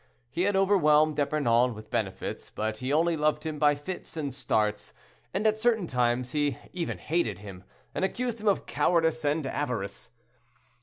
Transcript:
He had overwhelmed D'Epernon with benefits, but he only loved him by fits and starts, and at certain times he even hated him, and accused him of cowardice and avarice.